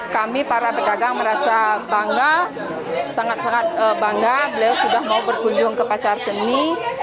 kami para pedagang merasa bangga sangat sangat bangga beliau sudah mau berkunjung ke pasar seni